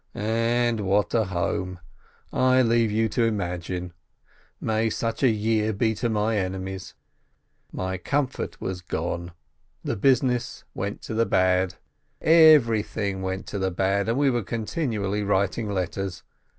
And what a home! I leave you to imagine. May such a year be to my enemies! My comfort was gone, the business went to the bad. Everything went to the bad, and we were continually writing letters.